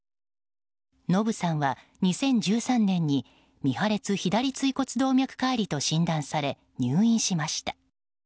ノブさんは２０１３年に未破裂左椎骨動脈解離と診断され入院しました。